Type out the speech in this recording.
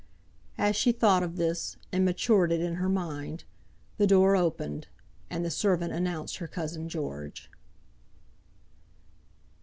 As she thought of this, and matured it in her mind, the door opened, and the servant announced her cousin George.